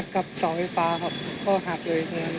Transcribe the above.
กับเสาไฟฟ้าครับก็หักเลย